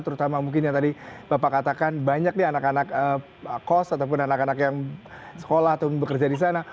terutama mungkin yang tadi bapak katakan banyak nih anak anak kos ataupun anak anak yang sekolah atau bekerja di sana